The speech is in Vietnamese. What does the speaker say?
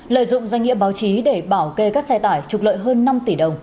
lợi dụng doanh nghiệp báo chí để bảo kê các xe tải trục lợi hơn năm tỷ đồng